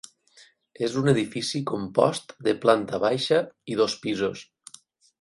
És un edifici compost de planta baixa i dos pisos.